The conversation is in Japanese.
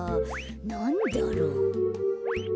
なんだろう？